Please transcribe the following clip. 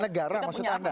negara maksud anda